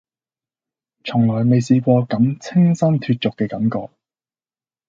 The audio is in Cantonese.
從來未試過咁清新脫俗嘅感覺